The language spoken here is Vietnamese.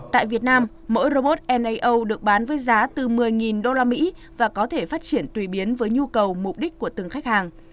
tại việt nam mỗi robot nao được bán với giá từ một mươi usd và có thể phát triển tùy biến với nhu cầu mục đích của từng khách hàng